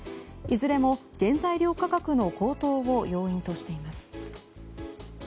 いずれも原材料価格の高騰を要因としています。